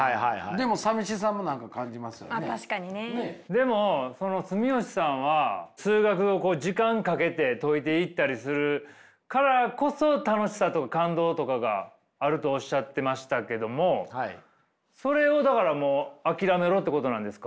でもその住吉さんは数学をこう時間かけて解いていったりするからこそ楽しさとか感動とかがあるとおっしゃってましたけどもそれをだからもう諦めろってことなんですか？